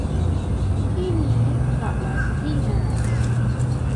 ที่นี้กลับมาที่งาน